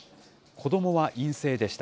子どもは陰性でした。